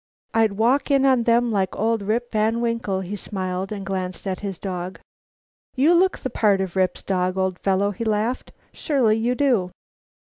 "I'd walk in on them like old Rip Van Winkle." He smiled and glanced at his dog. "You look the part of Rip's dog, old fellow," he laughed; "you surely do."